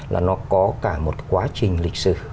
là nó có cả một quá trình lịch sử